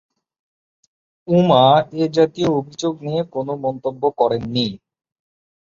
উমা এ জাতীয় অভিযোগ নিয়ে কোনও মন্তব্য করেননি।